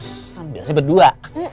sambil si berdua